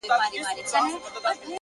چپ سه دا خبر حالات راته وايي!